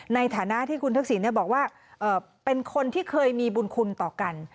ในฐานะที่คุณทักษิณบอกว่าเป็นคนที่เคยมีบุญคุณต่อกัน